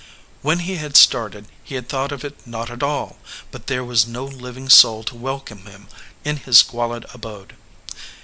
When he had started he had thought of it not at all; but there was no living soul to welcome him in his squalid abode.